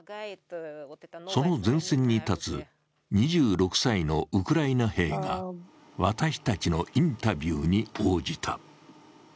その前線に立つ２６歳のウクライナ兵が私たちにインタビューに応じた。